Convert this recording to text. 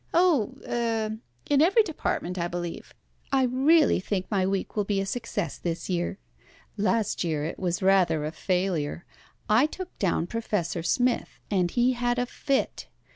"Oh er in every department, I believe. I really think my week will be a success this year. Last year it was rather a failure. I took down Professor Smith, and he had a fit.